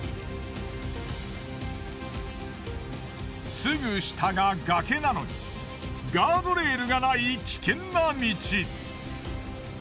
すぐ下が崖なのにガードレールがない危険な道。